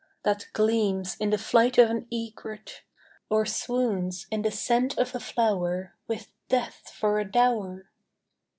That gleams, in the flight of an egret, Or swoons, in the scent of a flower, With death for a dower?